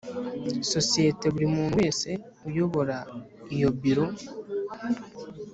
sosiyete buri muntu wese uyobora iyo biro